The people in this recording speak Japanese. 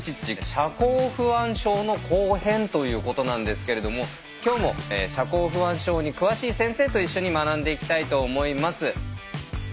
社交不安症の後編ということなんですけれども今日も社交不安症に詳しい先生と一緒に学んでいきたいと思います。